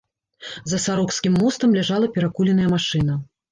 За сарокскім мостам ляжала перакуленая машына.